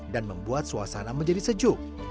dan membuat suasana menjadi sejuk